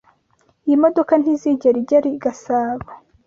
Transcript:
Iyi modoka ntizigera igera i Gasabo.